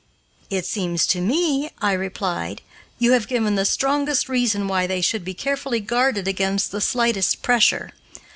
"It seems to me," I replied, "you have given the strongest reason why they should be carefully guarded against the slightest pressure.